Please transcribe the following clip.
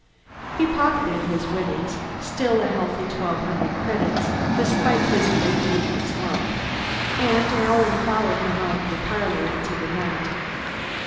He pocketed his winnings still a healthy twelve hundred credits, despite his late evening slump and Alan followed him out of the parlor into the night.